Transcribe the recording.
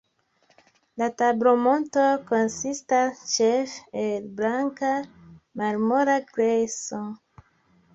La tablomonto konsistas ĉefe el blanka, malmola grejso.